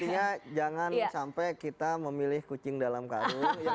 intinya jangan sampai kita memilih kucing dalam karun